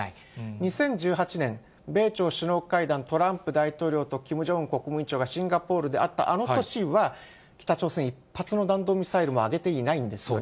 ２０１８年、米朝首脳会談、トランプ大統領とキム・ジョンウン国務委員長がシンガポールで会ったあの年は、北朝鮮、一発の弾道ミサイルも上げていないんですよね。